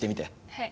はい。